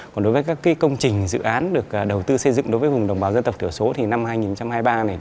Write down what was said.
còn đối với các công trình dự án được đầu tư xây dựng đối với vùng đồng bào dân tộc thiểu số thì năm hai nghìn hai mươi ba này